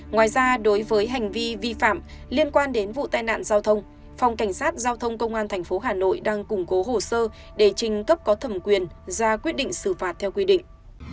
ngoài ra đối với hành vi vi phạm liên quan đến vụ tai nạn giao thông phòng cảnh sát giao thông công an tp hà nội đang củng cố hồ sơ để trình cấp có thẩm quyền ra quyết định xử phạt theo quy định